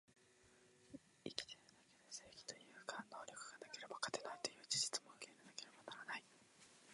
生きてるだけで正義というが、能力がなければ勝てないという事実も受け入れなければならない